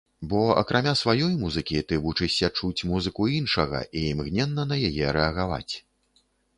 Бо акрамя сваёй музыкі, ты вучышся чуць музыку іншага і імгненна на яе рэагаваць.